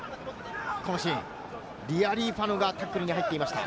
このシーン、リアリーファノがタックルに入っていました。